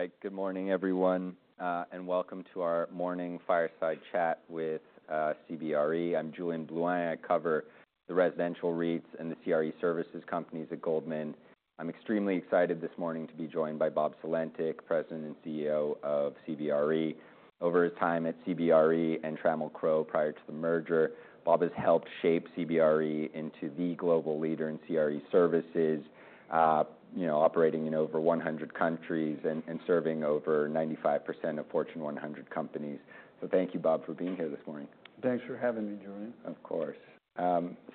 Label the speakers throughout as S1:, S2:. S1: All right, good morning everyone, and welcome to our morning fireside chat with CBRE. I'm Julien Blouin. I cover the residential REITs and the CRE services companies at Goldman. I'm extremely excited this morning to be joined by Bob Sulentic, President and CEO of CBRE. Over his time at CBRE and Trammell Crow prior to the merger, Bob has helped shape CBRE into the global leader in CRE services, you know, operating in over 100 countries and serving over 95% of Fortune 100 companies. So thank you, Bob, for being here this morning.
S2: Thanks for having me, Julien.
S1: Of course,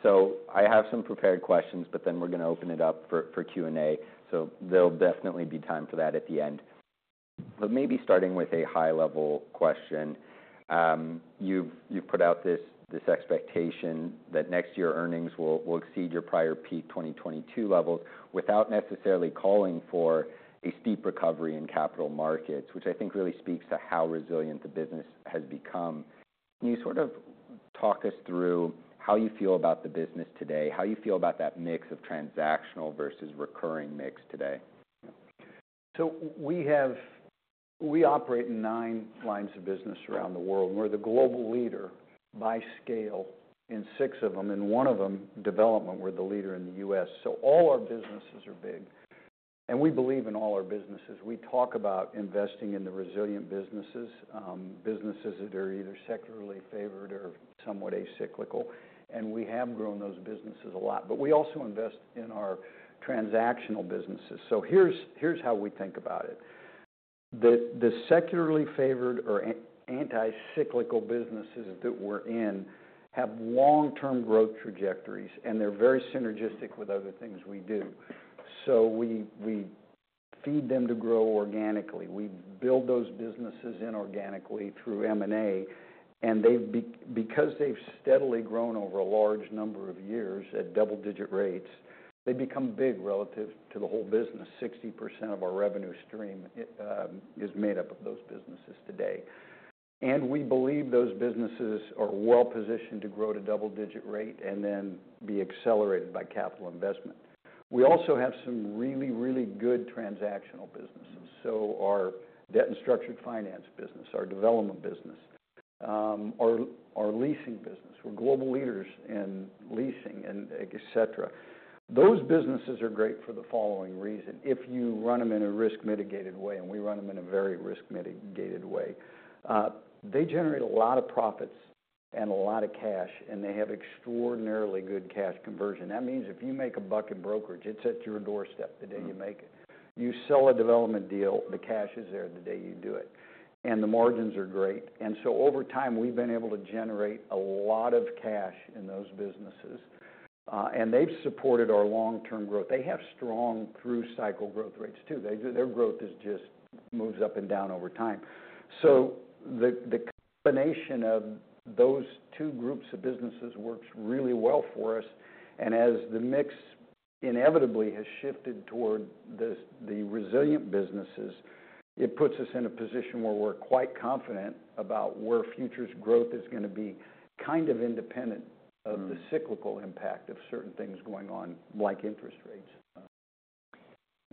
S1: so I have some prepared questions, but then we're gonna open it up for Q&A, so there'll definitely be time for that at the end. But maybe starting with a high-level question, you've put out this expectation that next year earnings will exceed your prior peak 2022 levels without necessarily calling for a steep recovery in capital markets, which I think really speaks to how resilient the business has become. Can you sort of talk us through how you feel about the business today, how you feel about that mix of transactional versus recurring mix today?
S2: So we have, we operate in nine lines of business around the world. We're the global leader by scale in six of them, and one of them, development, we're the leader in the U.S. So all our businesses are big, and we believe in all our businesses. We talk about investing in the resilient businesses, businesses that are either secularly favored or somewhat acyclical, and we have grown those businesses a lot. But we also invest in our transactional businesses. So here's how we think about it. The secularly favored or anti-cyclical businesses that we're in have long-term growth trajectories, and they're very synergistic with other things we do. So we feed them to grow organically. We build those businesses inorganically through M&A, and because they've steadily grown over a large number of years at double-digit rates, they become big relative to the whole business. 60% of our revenue stream is made up of those businesses today, and we believe those businesses are well-positioned to grow at a double-digit rate and then be accelerated by capital investment. We also have some really, really good transactional businesses, so our debt and structured finance business, our development business, our leasing business. We're global leaders in leasing, etc. Those businesses are great for the following reason: if you run them in a risk-mitigated way, and we run them in a very risk-mitigated way, they generate a lot of profits and a lot of cash, and they have extraordinarily good cash conversion. That means if you make a buck, it's at your doorstep the day you make it. You sell a development deal, the cash is there the day you do it, and the margins are great. And so over time, we've been able to generate a lot of cash in those businesses, and they've supported our long-term growth. They have strong through-cycle growth rates too. Their growth just moves up and down over time. So the combination of those two groups of businesses works really well for us, and as the mix inevitably has shifted toward the resilient businesses, it puts us in a position where we're quite confident about where future growth is gonna be kind of independent of the cyclical impact of certain things going on like interest rates.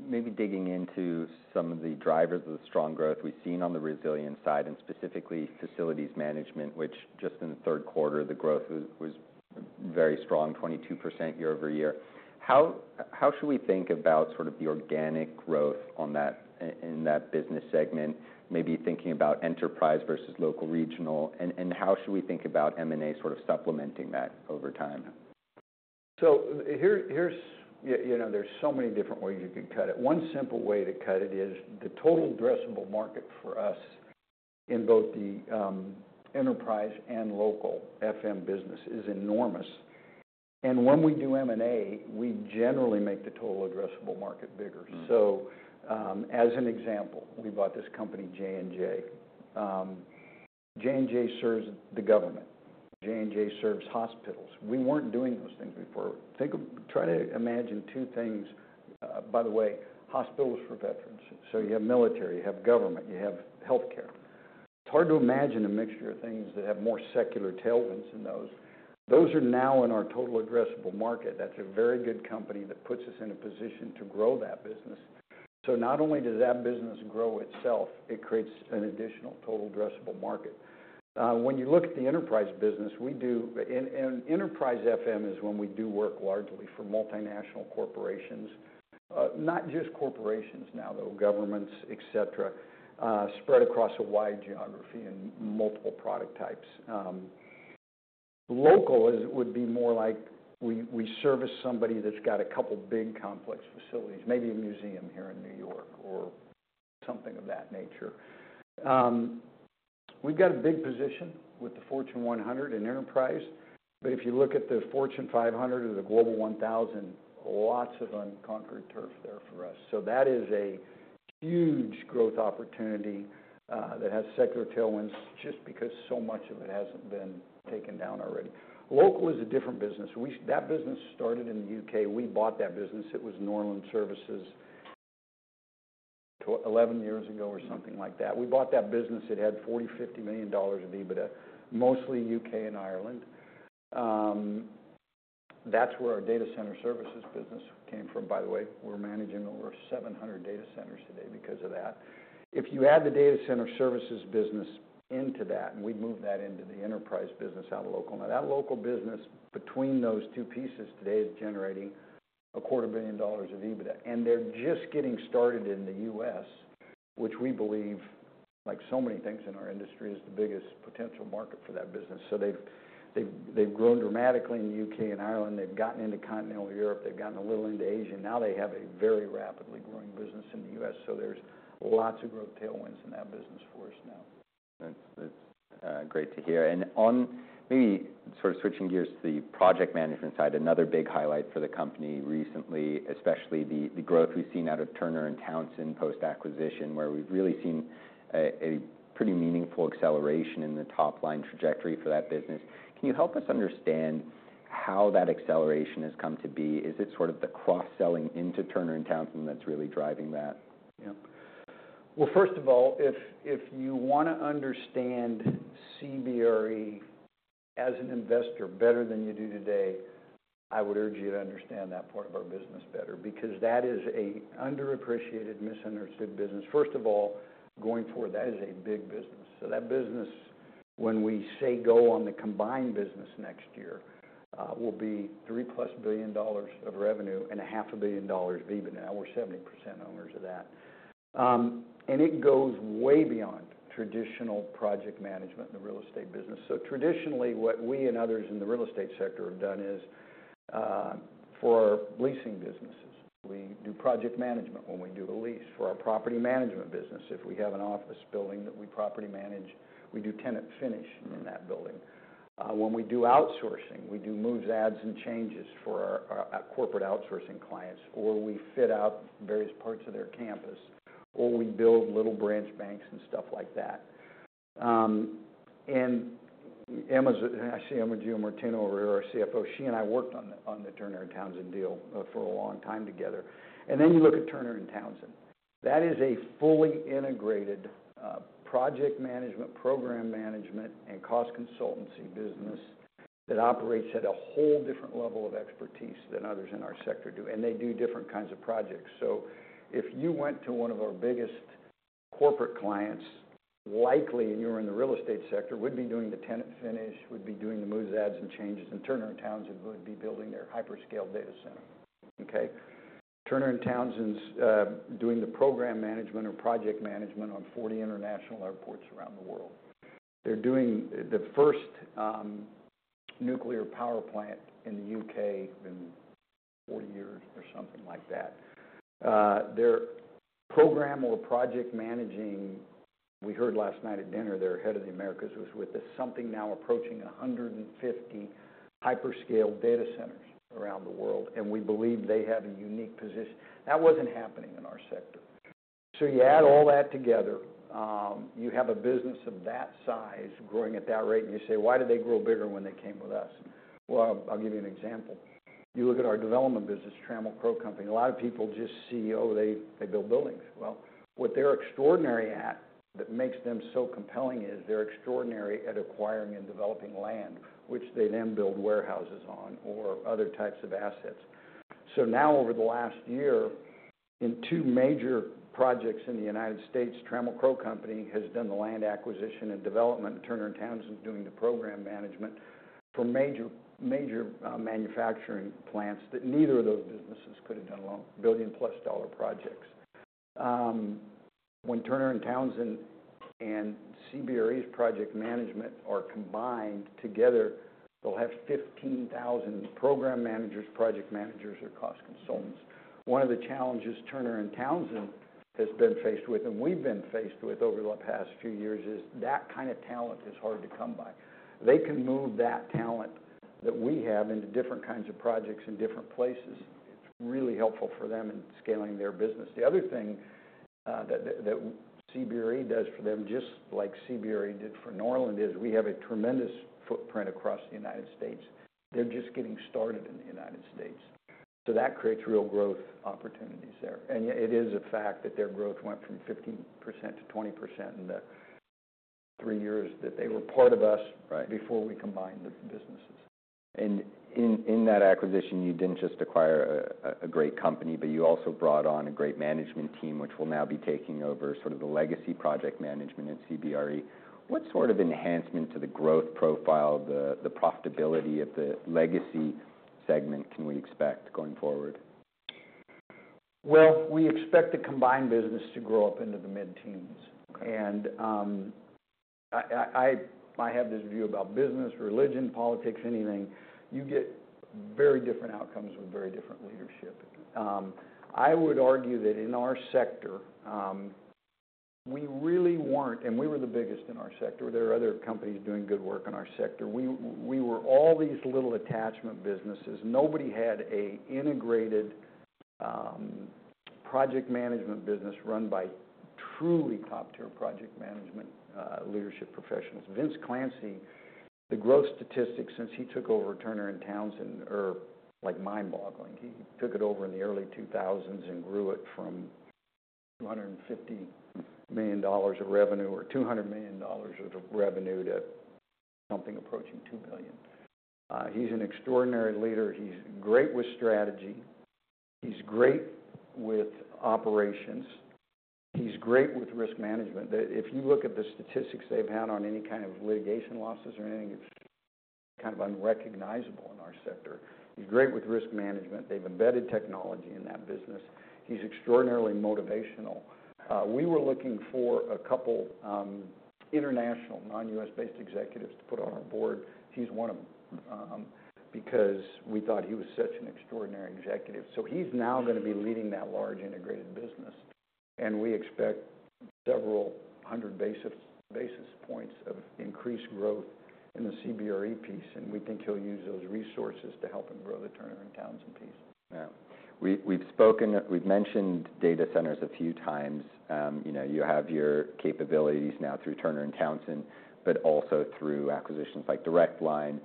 S1: Maybe digging into some of the drivers of the strong growth we've seen on the resilient side and specifically facilities management, which just in the third quarter, the growth was very strong, 22% year-over-year. How should we think about sort of the organic growth on that in that business segment, maybe thinking about enterprise versus local regional, and how should we think about M&A sort of supplementing that over time?
S2: So here's, you know, there's so many different ways you can cut it. One simple way to cut it is the total addressable market for us in both the enterprise and local FM business is enormous, and when we do M&A, we generally make the total addressable market bigger, so as an example, we bought this company, J&J. J&J serves the government. J&J serves hospitals. We weren't doing those things before. Try to imagine two things, by the way, hospitals for veterans, so you have military, you have government, you have healthcare. It's hard to imagine a mixture of things that have more secular tailwinds than those. Those are now in our total addressable market. That's a very good company that puts us in a position to grow that business, so not only does that business grow itself, it creates an additional total addressable market. When you look at the enterprise business, we do in enterprise FM is when we do work largely for multinational corporations, not just corporations now, though, governments, etc., spread across a wide geography and multiple product types. Local is would be more like we service somebody that's got a couple big complex facilities, maybe a museum here in New York or something of that nature. We've got a big position with the Fortune 100 and enterprise, but if you look at the Fortune 500 or the Global 1000, lots of unconquered turf there for us. So that is a huge growth opportunity, that has secular tailwinds just because so much of it hasn't been taken down already. Local is a different business. That business started in the U.K. We bought that business. It was Norland Services 11 years ago or something like that. It had $40 million-$50 million of EBITDA, mostly U.K. and Ireland. That's where our Data Center Services business came from, by the way. We're managing over 700 data centers today because of that. If you add the Data Center Services business into that, and we moved that into the enterprise business out of local. Now, that local business between those two pieces today is generating $250 million of EBITDA, and they're just getting started in the U.S., which we believe, like so many things in our industry, is the biggest potential market for that business, so they've grown dramatically in the U.K. and Ireland. They've gotten into continental Europe. They've gotten a little into Asia. Now they have a very rapidly growing business in the U.S., so there's lots of growth tailwinds in that business for us now.
S1: That's great to hear. And on maybe sort of switching gears to the project management side, another big highlight for the company recently, especially the growth we've seen out of Turner & Townsend post-acquisition, where we've really seen a pretty meaningful acceleration in the top-line trajectory for that business. Can you help us understand how that acceleration has come to be? Is it sort of the cross-selling into Turner & Townsend that's really driving that?
S2: Yep. Well, first of all, if you wanna understand CBRE as an investor better than you do today, I would urge you to understand that part of our business better because that is an underappreciated, misunderstood business. First of all, going forward, that is a big business. So that business, when we say go on the combined business next year, will be $3+ billion of revenue and $500 million of EBITDA. We're 70% owners of that, and it goes way beyond traditional project management in the real estate business. So traditionally, what we and others in the real estate sector have done is, for our leasing businesses, we do project management when we do a lease. For our property management business, if we have an office building that we property manage, we do tenant finish in that building. When we do outsourcing, we do moves, adds, and changes for our corporate outsourcing clients, or we fit out various parts of their campus, or we build little branch banks and stuff like that. And Emma, I see Emma Giamartino over here, our CFO. She and I worked on the Turner & Townsend deal for a long time together. And then you look at Turner & Townsend. That is a fully integrated project management, program management, and cost consultancy business that operates at a whole different level of expertise than others in our sector do, and they do different kinds of projects. So if you went to one of our biggest corporate clients, likely, and you were in the real estate sector, would be doing the tenant finish, would be doing the moves, adds, and changes, and Turner & Townsend would be building their hyperscale data center, okay? Turner & Townsend's doing the program management or project management on 40 international airports around the world. They're doing the first nuclear power plant in the U.K. in 40 years or something like that. Their program or project managing, we heard last night at dinner, their head of the Americas was with us, something now approaching 150 hyperscale data centers around the world, and we believe they have a unique position. That wasn't happening in our sector. You add all that together, you have a business of that size growing at that rate, and you say, "Why did they grow bigger when they came with us?" I'll give you an example. You look at our development business, Trammell Crow Company. A lot of people just see, "Oh, they build buildings." What they're extraordinary at that makes them so compelling is they're extraordinary at acquiring and developing land, which they then build warehouses on or other types of assets. Now, over the last year, in two major projects in the United States, Trammell Crow Company has done the land acquisition and development, and Turner & Townsend is doing the program management for major, major, manufacturing plants that neither of those businesses could have done alone, $1+ billion projects. When Turner & Townsend and CBRE's project management are combined together, they'll have 15,000 program managers, project managers, or cost consultants. One of the challenges Turner & Townsend has been faced with, and we've been faced with over the past few years, is that kind of talent is hard to come by. They can move that talent that we have into different kinds of projects in different places. It's really helpful for them in scaling their business. The other thing, that CBRE does for them, just like CBRE did for Norland, is we have a tremendous footprint across the United States. They're just getting started in the United States. So that creates real growth opportunities there. And it is a fact that their growth went from 15% to 20% in the three years that they were part of us right before we combined the businesses.
S1: In that acquisition, you didn't just acquire a great company, but you also brought on a great management team, which will now be taking over sort of the legacy project management at CBRE. What sort of enhancement to the growth profile, the profitability of the legacy segment can we expect going forward?
S2: We expect the combined business to grow up into the mid-teens.
S1: Okay.
S2: I have this view about business, religion, politics, anything. You get very different outcomes with very different leadership. I would argue that in our sector, we really weren't, and we were the biggest in our sector. There are other companies doing good work in our sector. We were all these little attachment businesses. Nobody had an integrated, project management business run by truly top-tier project management, leadership professionals. Vince Clancy, the growth statistics since he took over Turner & Townsend are like mind-boggling. He took it over in the early 2000s and grew it from $250 million of revenue or $200 million of revenue to something approaching $2 billion. He's an extraordinary leader. He's great with strategy. He's great with operations. He's great with risk management. If you look at the statistics they've had on any kind of litigation losses or anything, it's kind of unrecognizable in our sector. He's great with risk management. They've embedded technology in that business. He's extraordinarily motivational. We were looking for a couple, international, non-U.S.-based executives to put on our board. He's one of them, because we thought he was such an extraordinary executive. So he's now gonna be leading that large integrated business, and we expect several hundred basis points of increased growth in the CBRE piece, and we think he'll use those resources to help him grow the Turner & Townsend piece.
S1: Yeah. We, we've spoken, we've mentioned data centers a few times. You know, you have your capabilities now through Turner & Townsend, but also through acquisitions like Direct Line,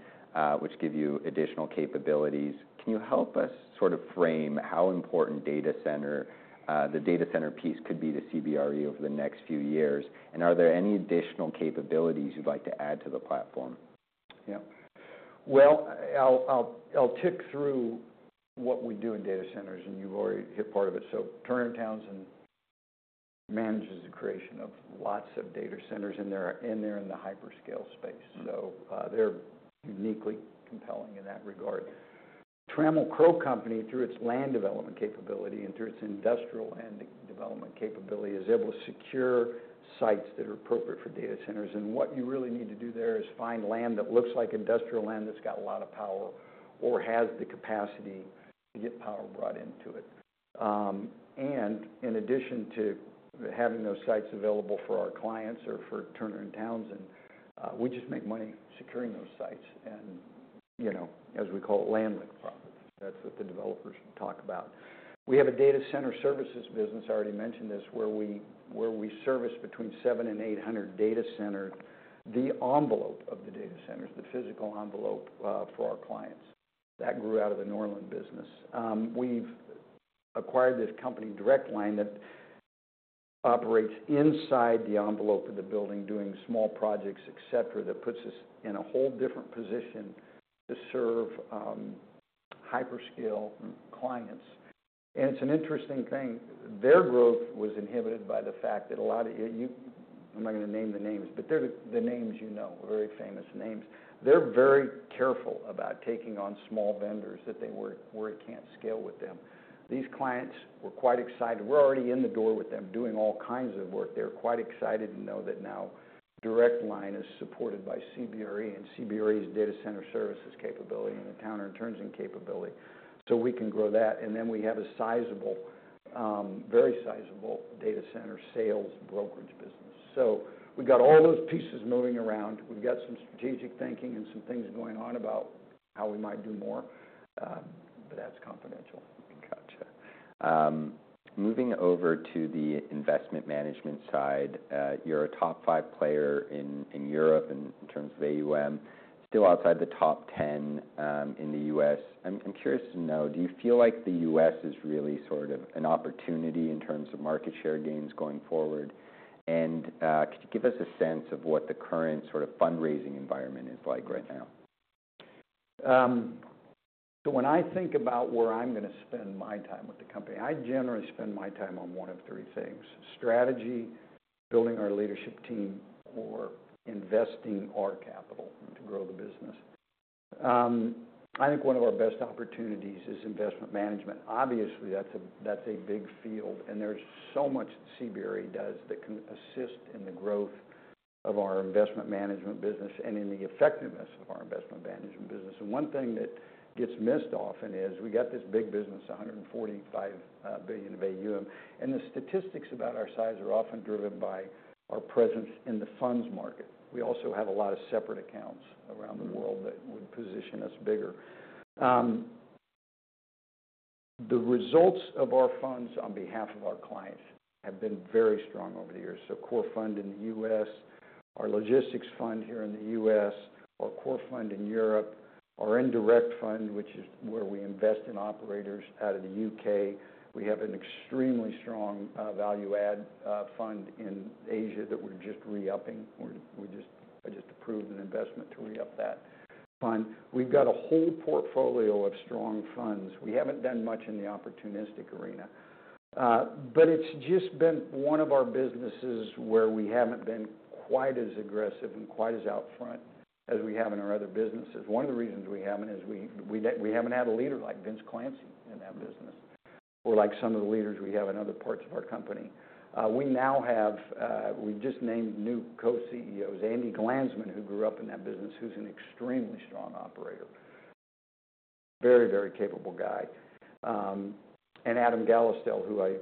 S1: which give you additional capabilities. Can you help us sort of frame how important data center, the data center piece could be to CBRE over the next few years? And are there any additional capabilities you'd like to add to the platform?
S2: Yep. Well, I'll tick through what we do in data centers, and you've already hit part of it. So Turner & Townsend manages the creation of lots of data centers, and they're in the hyperscale space. So, they're uniquely compelling in that regard. Trammell Crow Company, through its land development capability and through its industrial land development capability, is able to secure sites that are appropriate for data centers. And what you really need to do there is find land that looks like industrial land that's got a lot of power or has the capacity to get power brought into it. And in addition to having those sites available for our clients or for Turner & Townsend, we just make money securing those sites and, you know, as we call it, land-banked profits. That's what the developers talk about. We have a Data Center Services business. I already mentioned this, where we service between 700 and 800 data centers, the envelope of the data centers, the physical envelope, for our clients. That grew out of the Norland business. We've acquired this company, Direct Line, that operates inside the envelope of the building, doing small projects, etc., that puts us in a whole different position to serve hyperscale clients, and it's an interesting thing. Their growth was inhibited by the fact that a lot of you I'm not gonna name the names, but they're the names you know, very famous names. They're very careful about taking on small vendors that they were it can't scale with them. These clients were quite excited. We're already in the door with them doing all kinds of work. They're quite excited to know that now Direct Line is supported by CBRE and CBRE's Data Center Services capability and the Turner & Townsend's capability. So we can grow that. And then we have a sizable, very sizable data center sales brokerage business. So we got all those pieces moving around. We've got some strategic thinking and some things going on about how we might do more, but that's confidential.
S1: Gotcha. Moving over to the Investment Management side, you're a top five player in Europe in terms of AUM, still outside the top 10 in the U.S. I'm curious to know, do you feel like the U.S. is really sort of an opportunity in terms of market share gains going forward? And could you give us a sense of what the current sort of fundraising environment is like right now?
S2: So when I think about where I'm gonna spend my time with the company, I generally spend my time on one of three things: strategy, building our leadership team, or investing our capital to grow the business. I think one of our best opportunities is Investment Management. Obviously, that's a, that's a big field, and there's so much that CBRE does that can assist in the growth of our Investment Management business and in the effectiveness of our Investment Management business. And one thing that gets missed often is we got this big business, 145 billion of AUM, and the statistics about our size are often driven by our presence in the funds market. We also have a lot of separate accounts around the world that would position us bigger. The results of our funds on behalf of our clients have been very strong over the years. So, Core Fund in the U.S., our Logistics Fund here in the U.S., our Core Fund in Europe, our Indirect Fund, which is where we invest in operators out of the U.K. We have an extremely strong, value-add, fund in Asia that we're just re-upping. We're just, I just approved an investment to re-up that fund. We've got a whole portfolio of strong funds. We haven't done much in the opportunistic arena, but it's just been one of our businesses where we haven't been quite as aggressive and quite as outfront as we have in our other businesses. One of the reasons we haven't is we haven't had a leader like Vince Clancy in that business or like some of the leaders we have in other parts of our company. We now have. We just named new co-CEOs, Andy Glanzman, who grew up in that business, who's an extremely strong operator, very, very capable guy. And Adam Gallistel, who I,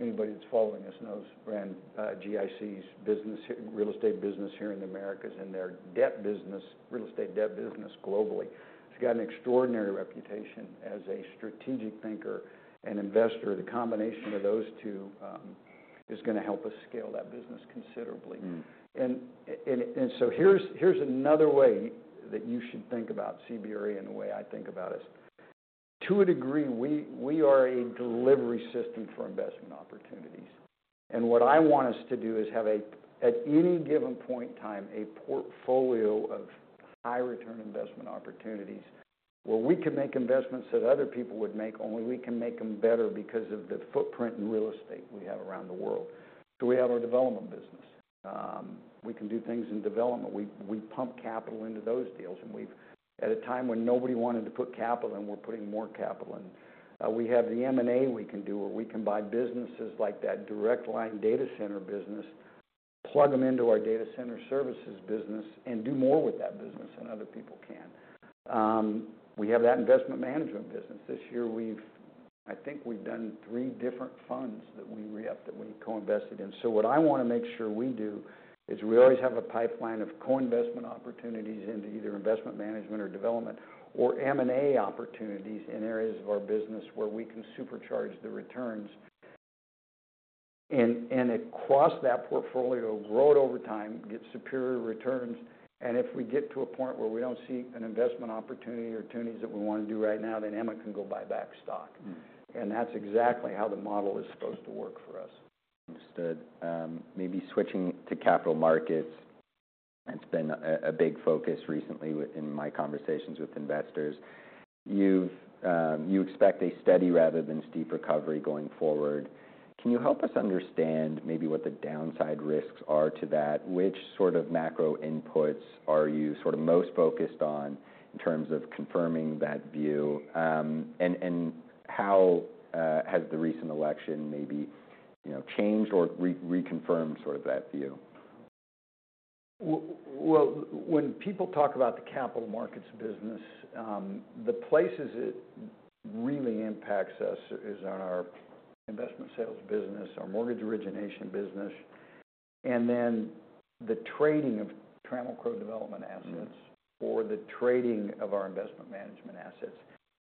S2: anybody that's following us knows, ran GIC's business, real estate business here in the Americas and their debt business, real estate debt business globally. He's got an extraordinary reputation as a strategic thinker and investor. The combination of those two is gonna help us scale that business considerably.
S1: Mm-hmm.
S2: So here's another way that you should think about CBRE and the way I think about us. To a degree, we are a delivery system for investment opportunities. And what I want us to do is have, at any given point in time, a portfolio of high-return investment opportunities where we can make investments that other people would make, only we can make them better because of the footprint and real estate we have around the world. So we have our development business. We can do things in development. We pump capital into those deals, and we've, at a time when nobody wanted to put capital, and we're putting more capital. We have the M&A we can do where we can buy businesses like that Direct Line data center business, plug them into our Data Center Services business, and do more with that business than other people can. We have that Investment Management business. This year, we've, I think we've done three different funds that we re-up, that we co-invested in. So what I wanna make sure we do is we always have a pipeline of co-investment opportunities into either Investment Management or development or M&A opportunities in areas of our business where we can supercharge the returns and, and across that portfolio, grow it over time, get superior returns. If we get to a point where we don't see an investment opportunity or opportunities that we wanna do right now, then Emma can go buy back stock.
S1: Mm-hmm.
S2: That's exactly how the model is supposed to work for us.
S1: Understood. Maybe switching to Capital Markets, it's been a big focus recently within my conversations with investors. You expect a steady rather than steep recovery going forward. Can you help us understand maybe what the downside risks are to that? Which sort of macro inputs are you sort of most focused on in terms of confirming that view? And how has the recent election maybe, you know, changed or reconfirmed sort of that view?
S2: Well, when people talk about the Capital Markets business, the places it really impacts us is on our investment sales business, our mortgage origination business, and then the trading of Trammell Crow development assets or the trading of our Investment Management assets.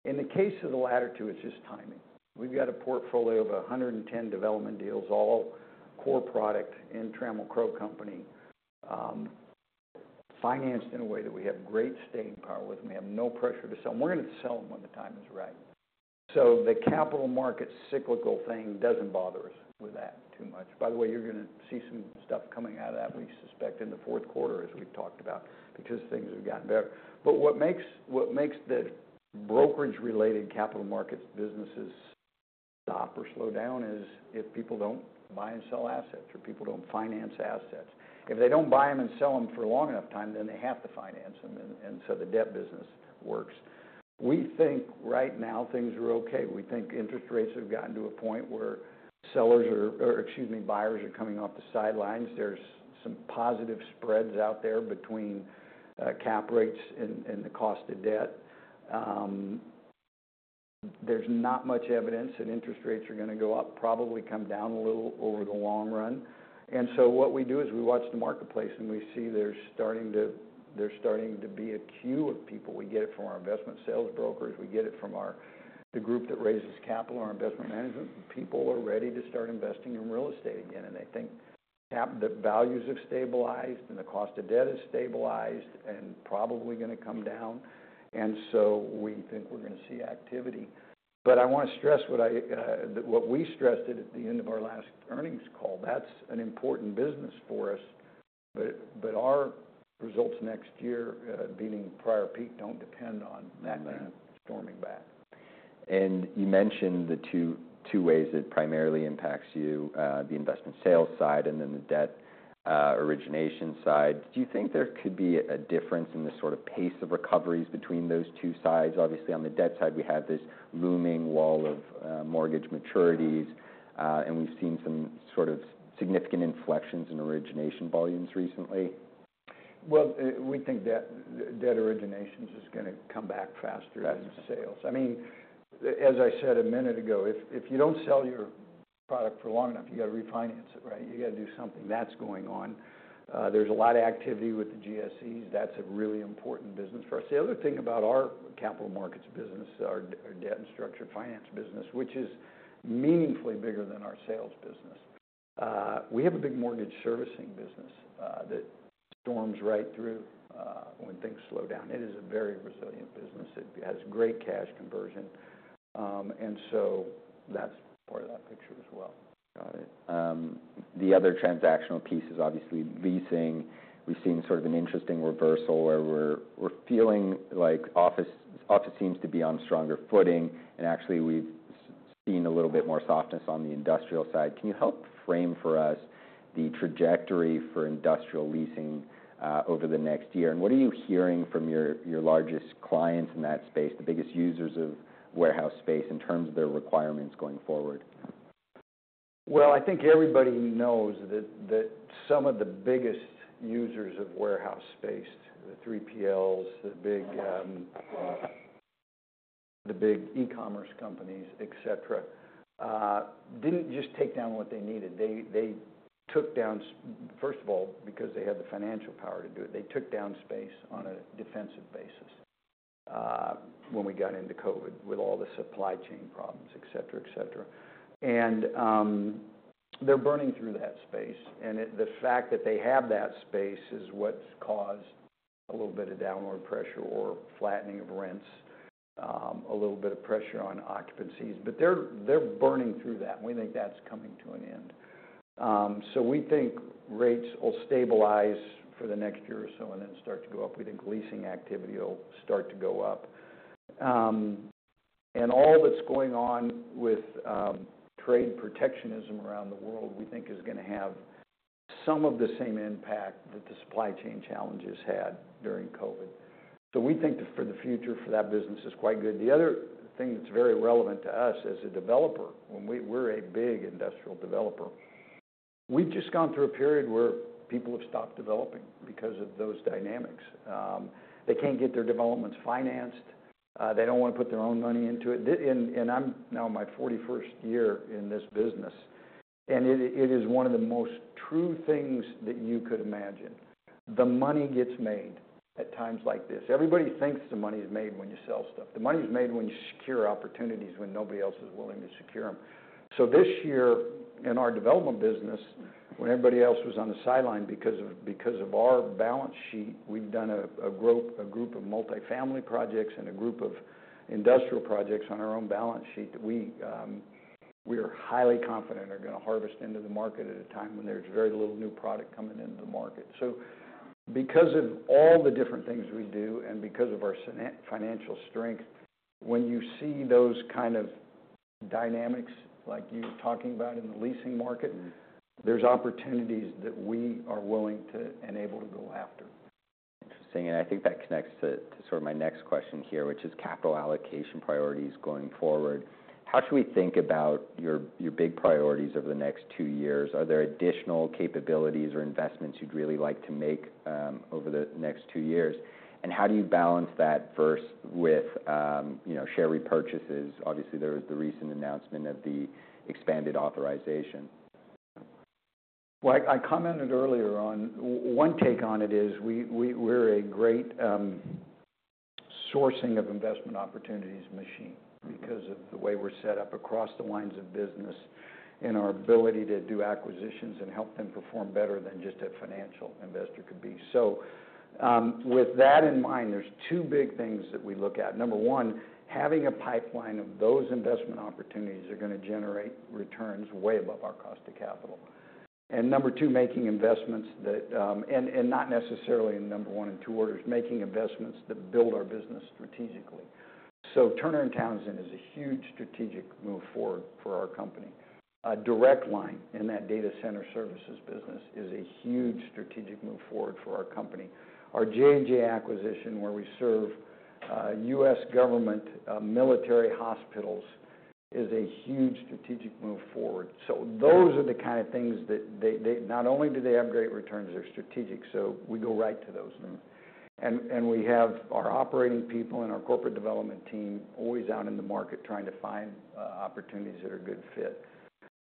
S2: In the case of the latter two, it's just timing. We've got a portfolio of 110 development deals, all core product in Trammell Crow Company, financed in a way that we have great staying power with them. We have no pressure to sell them. We're gonna sell them when the time is right. So the capital markets cyclical thing doesn't bother us with that too much. By the way, you're gonna see some stuff coming out of that, we suspect, in the fourth quarter, as we've talked about, because things have gotten better. But what makes the brokerage-related capital markets businesses stop or slow down is if people don't buy and sell assets or people don't finance assets. If they don't buy them and sell them for long enough time, then they have to finance them. And so the debt business works. We think right now things are okay. We think interest rates have gotten to a point where sellers are, or excuse me, buyers are coming off the sidelines. There's some positive spreads out there between cap rates and the cost of debt. There's not much evidence that interest rates are gonna go up, probably come down a little over the long run. And so what we do is we watch the marketplace, and we see there's starting to be a queue of people. We get it from our investment sales brokers. We get it from the group that raises capital, our Investment Management. People are ready to start investing in real estate again, and they think cap rates, the values have stabilized and the cost of debt has stabilized and probably gonna come down. And so we think we're gonna see activity. But I wanna stress what we stressed at the end of our last earnings call, that's an important business for us. But our results next year, meaning prior peak, don't depend on that thing storming back.
S1: You mentioned the two ways it primarily impacts you, the investment sales side and then the debt origination side. Do you think there could be a difference in the sort of pace of recoveries between those two sides? Obviously, on the debt side, we have this looming wall of mortgage maturities, and we've seen some sort of significant inflections in origination volumes recently.
S2: Well, we think debt originations is gonna come back faster than sales. I mean, as I said a minute ago, if you don't sell your product for long enough, you gotta refinance it, right? You gotta do something. That's going on. There's a lot of activity with the GSEs. That's a really important business for us. The other thing about our capital markets business, our debt and structured finance business, which is meaningfully bigger than our sales business, we have a big mortgage servicing business that storms right through when things slow down. It is a very resilient business. It has great cash conversion. And so that's part of that picture as well.
S1: Got it. The other transactional piece is obviously leasing. We've seen sort of an interesting reversal where we're feeling like office seems to be on stronger footing, and actually we've seen a little bit more softness on the industrial side. Can you help frame for us the trajectory for industrial leasing over the next year? And what are you hearing from your largest clients in that space, the biggest users of warehouse space in terms of their requirements going forward?
S2: I think everybody knows that some of the biggest users of warehouse space, the 3PLs, the big e-commerce companies, etc., didn't just take down what they needed. They took down, first of all, because they had the financial power to do it, they took down space on a defensive basis, when we got into COVID with all the supply chain problems, etc., etc. And they're burning through that space. And the fact that they have that space is what's caused a little bit of downward pressure or flattening of rents, a little bit of pressure on occupancies. But they're burning through that, and we think that's coming to an end, so we think rates will stabilize for the next year or so and then start to go up. We think leasing activity will start to go up. And all that's going on with trade protectionism around the world, we think, is gonna have some of the same impact that the supply chain challenges had during COVID. So we think for the future for that business is quite good. The other thing that's very relevant to us as a developer, when we, we're a big industrial developer, we've just gone through a period where people have stopped developing because of those dynamics. They can't get their developments financed. They don't wanna put their own money into it. And I'm now in my 41st year in this business, and it is one of the most true things that you could imagine. The money gets made at times like this. Everybody thinks the money's made when you sell stuff. The money's made when you secure opportunities when nobody else is willing to secure them. So this year in our development business, when everybody else was on the sideline because of our balance sheet, we've done a group of multifamily projects and a group of industrial projects on our own balance sheet that we are highly confident are gonna harvest into the market at a time when there's very little new product coming into the market. So because of all the different things we do and because of our financial strength, when you see those kind of dynamics like you're talking about in the leasing market, there's opportunities that we are willing to and able to go after.
S1: Interesting, and I think that connects to, to sort of my next question here, which is capital allocation priorities going forward. How should we think about your, your big priorities over the next two years? Are there additional capabilities or investments you'd really like to make, over the next two years? And how do you balance that first with, you know, share repurchases? Obviously, there was the recent announcement of the expanded authorization.
S2: I commented earlier on. One take on it is we're a great sourcing of investment opportunities machine because of the way we're set up across the lines of business and our ability to do acquisitions and help them perform better than just a financial investor could be. With that in mind, there are two big things that we look at. Number one, having a pipeline of those investment opportunities that are gonna generate returns way above our cost of capital. Number two, making investments that build our business strategically, and not necessarily in number one and number two orders. Turner & Townsend is a huge strategic move forward for our company. Direct Line in that Data Center Services business is a huge strategic move forward for our company. Our J&J acquisition, where we serve U.S. government, military hospitals, is a huge strategic move forward. So those are the kind of things that they not only have great returns, they're strategic. So we go right to those. And we have our operating people and our corporate development team always out in the market trying to find opportunities that are a good fit.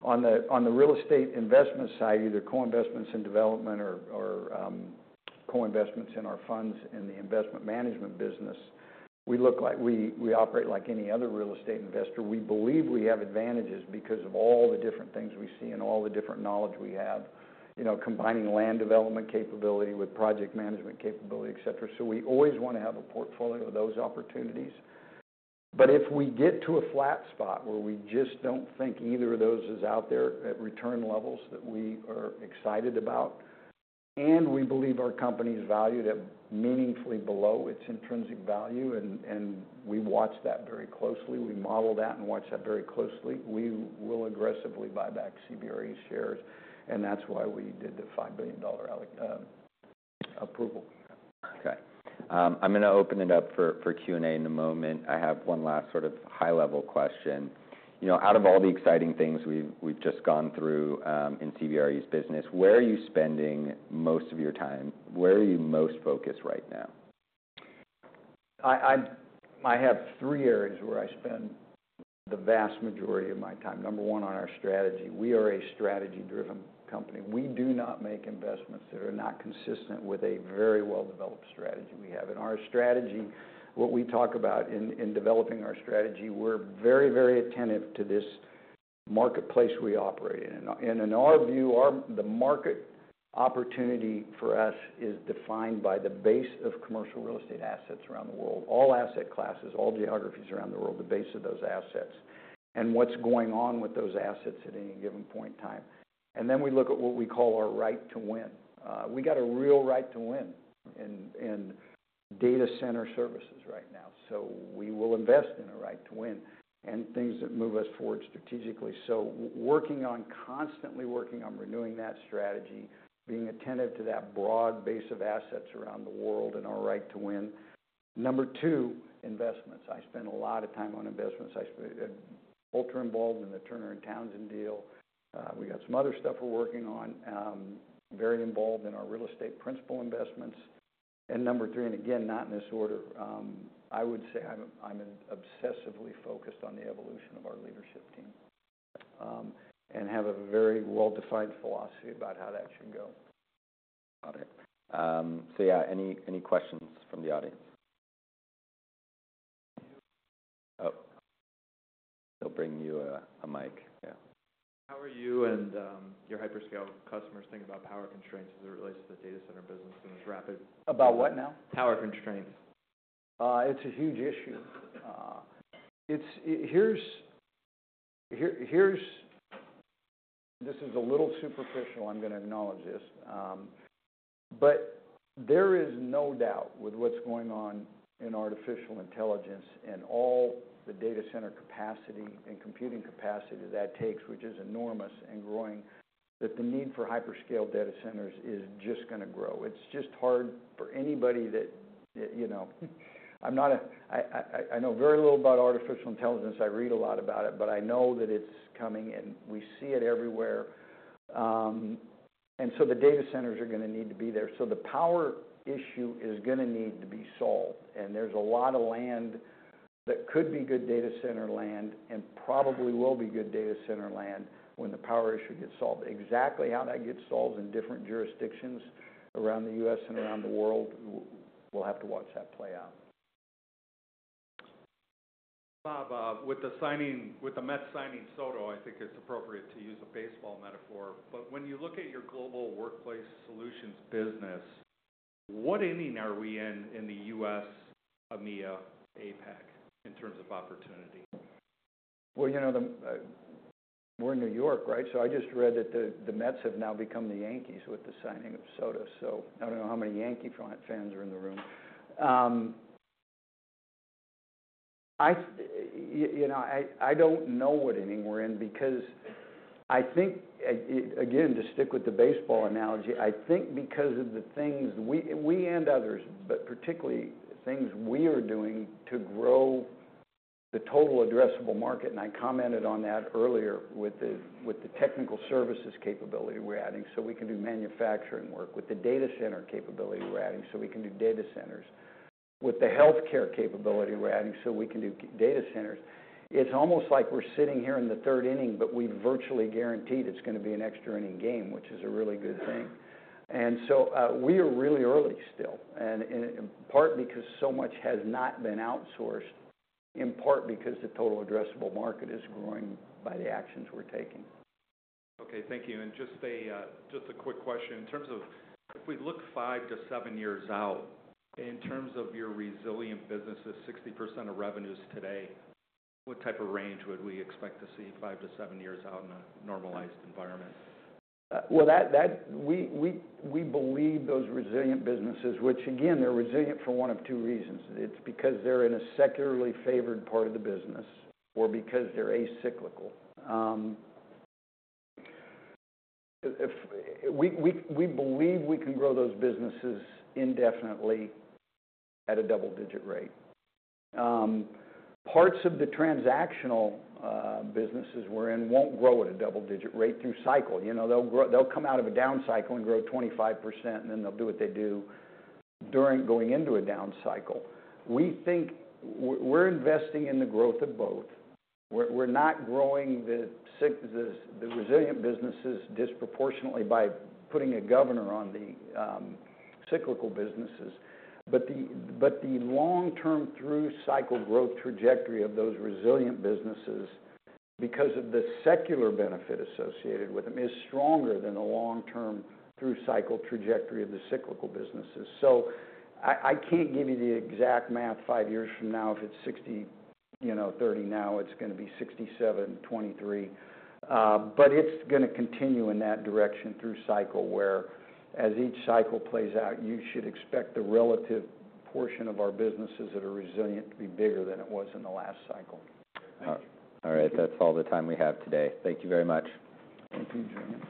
S2: On the real estate investment side, either co-investments in development or co-investments in our funds in the Investment Management business, we operate like any other real estate investor. We believe we have advantages because of all the different things we see and all the different knowledge we have, you know, combining land development capability with project management capability, etc. So we always wanna have a portfolio of those opportunities. But if we get to a flat spot where we just don't think either of those is out there at return levels that we are excited about, and we believe our company's valued at meaningfully below its intrinsic value, and we watch that very closely, we model that and watch that very closely, we will aggressively buy back CBRE shares. And that's why we did the $5 billion allocation approval.
S1: Okay. I'm gonna open it up for Q&A in a moment. I have one last sort of high-level question. You know, out of all the exciting things we've just gone through, in CBRE's business, where are you spending most of your time? Where are you most focused right now?
S2: I have three areas where I spend the vast majority of my time. Number one, on our strategy. We are a strategy-driven company. We do not make investments that are not consistent with a very well-developed strategy we have. In our strategy, what we talk about in developing our strategy, we're very, very attentive to this marketplace we operate in. In our view, the market opportunity for us is defined by the base of commercial real estate assets around the world, all asset classes, all geographies around the world, the base of those assets, and what's going on with those assets at any given point in time. Then we look at what we call our right to win. We got a real right to win in Data Center Services right now. We will invest in a right to win and things that move us forward strategically. Working on constantly working on renewing that strategy, being attentive to that broad base of assets around the world and our right to win. Number two, investments. I spend a lot of time on investments. Ultra-involved in the Turner & Townsend deal. We got some other stuff we're working on, very involved in our real estate principal investments. Number three, and again, not in this order, I would say I'm obsessively focused on the evolution of our leadership team, and have a very well-defined philosophy about how that should go.
S1: Got it. So yeah, any questions from the audience? Oh, they'll bring you a mic. Yeah. How are you and your hyperscale customers thinking about power constraints as it relates to the data center business in this rapid?
S2: About what now? Power constraints. It's a huge issue. This is a little superficial, I'm gonna acknowledge this, but there is no doubt with what's going on in artificial intelligence and all the data center capacity and computing capacity that that takes, which is enormous and growing, that the need for hyperscale data centers is just gonna grow. It's just hard for anybody that, you know, I'm not a, I know very little about artificial intelligence. I read a lot about it, but I know that it's coming, and we see it everywhere, so the data centers are gonna need to be there. So the power issue is gonna need to be solved, and there's a lot of land that could be good data center land and probably will be good data center land when the power issue gets solved. Exactly how that gets solved in different jurisdictions around the U.S. and around the world, we'll have to watch that play out. Bob, with the signing, with the Mets signing Soto, I think it's appropriate to use a baseball metaphor. But when you look at your Global Workplace Solutions business, what ending are we in, in the U.S., EMEA, APAC in terms of opportunity? You know, we're in New York, right? So I just read that the Mets have now become the Yankees with the signing of Soto. So I don't know how many Yankee fans are in the room. You know, I don't know what ending we're in because I think, again, to stick with the baseball analogy, I think because of the things we and others, but particularly things we are doing to grow the total addressable market. I commented on that earlier with the technical services capability we're adding so we can do manufacturing work, with the data center capability we're adding so we can do data centers, with the healthcare capability we're adding so we can do data centers. It's almost like we're sitting here in the third inning, but we've virtually guaranteed it's gonna be an extra inning game, which is a really good thing. And so, we are really early still, and in part because so much has not been outsourced, in part because the total addressable market is growing by the actions we're taking. Okay. Thank you. Just a quick question. In terms of if we look five to seven years out, in terms of your resilient businesses, 60% of revenues today, what type of range would we expect to see five to seven years out in a normalized environment? That we believe those resilient businesses, which again, they're resilient for one of two reasons. It's because they're in a secularly favored part of the business or because they're acyclical. If we believe we can grow those businesses indefinitely at a double-digit rate. Parts of the transactional businesses we're in won't grow at a double-digit rate through cycle. You know, they'll grow, they'll come out of a down cycle and grow 25%, and then they'll do what they do during going into a down cycle. We think we're investing in the growth of both. We're not growing the resilient businesses disproportionately by putting a governor on the cyclical businesses. The long-term through cycle growth trajectory of those resilient businesses, because of the secular benefit associated with them, is stronger than the long-term through cycle trajectory of the cyclical businesses. So I can't give you the exact math five years from now. If it's 60, you know, 30 now, it's gonna be 67.3. But it's gonna continue in that direction through cycle where, as each cycle plays out, you should expect the relative portion of our businesses that are resilient to be bigger than it was in the last cycle. Thank you.
S1: All right. That's all the time we have today. Thank you very much.
S2: Thank you, Julien.